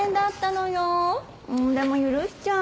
んでも許しちゃう。